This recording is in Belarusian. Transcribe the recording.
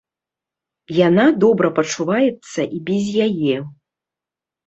Яна добра пачуваецца і без яе.